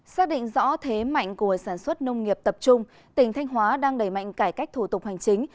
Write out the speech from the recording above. xác định rõ thế mạnh của sản xuất nông nghiệp tập trung tỉnh thanh hóa đang đẩy mạnh cải cách thủ tục hành chính